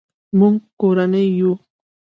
مونږ کورنۍ یو